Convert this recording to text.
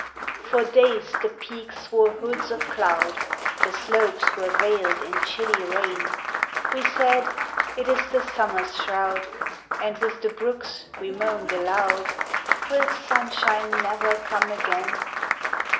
For days the peaks wore hoods of cloud, The slopes were veiled in chilly rain; We said : It is the Summer's shroud, And with the brooks we moaned aloud, — Will sunshine never come again?